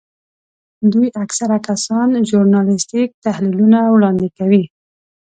دوی اکثره کسان ژورنالیستیک تحلیلونه وړاندې کوي.